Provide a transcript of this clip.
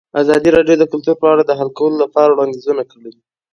ازادي راډیو د کلتور په اړه د حل کولو لپاره وړاندیزونه کړي.